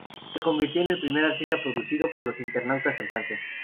Se convirtió en el primer artista producido por los internautas en Francia.